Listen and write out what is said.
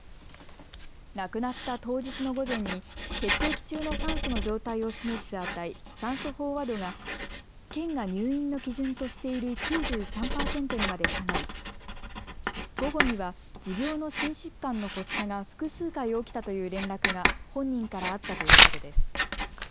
亡くなった当日の午前に血液中の酸素の状態を示す値、酸素飽和度が県が入院の基準としている９３％にまで下がり午後には持病の心疾患の発作が複数回、起きたという連絡が本人からあったということです。